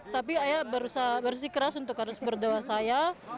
tapi ayah berusaha bersikeras untuk harus berdoa saya